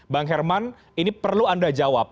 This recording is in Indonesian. bang herman ini perlu anda jawab